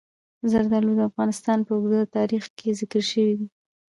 زردالو د افغانستان په اوږده تاریخ کې ذکر شوی دی.